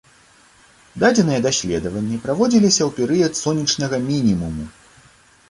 Дадзеныя даследаванні праводзіліся ў перыяд сонечнага мінімуму.